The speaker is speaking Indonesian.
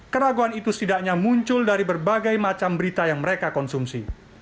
keraguan itu setidaknya muncul dari berbagai macam berita yang mereka konsumsi